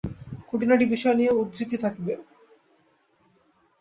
খুঁটিনাটি বিষয় নিয়ে উদ্ধৃতি থাকবে।